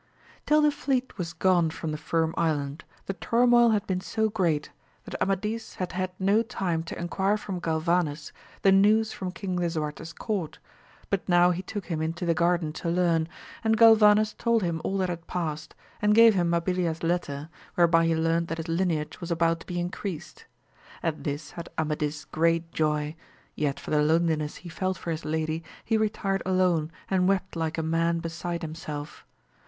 ILL the fleet was gone from the Firm Island the turmoil had been so great that Amadis had had no time to enquire from Oalvanes the news from King Lisuarte's court ; but now he took him into the garden to learn, and Galvanes told him all that had past, and gave him MabiHa's letter, whereby he learnt that his lineage was about to be in creased. At this had Amadis great joy, yet for the loneliness he felt for his lady, he retired alone and wept like a man beside himself.